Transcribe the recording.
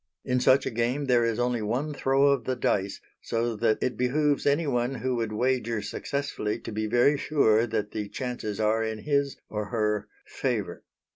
In such a game there is only one throw of the dice, so that it behoves anyone who would wager successfully to be very sure that the chances are in his or her favour.